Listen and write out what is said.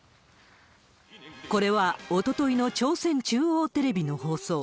これはおとといの朝鮮中央テレビの放送。